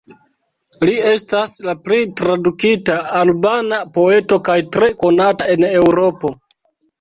Li estas la plej tradukita albana poeto kaj tre konata en Eŭropo.